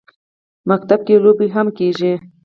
ښوونځی کې لوبې هم کېږي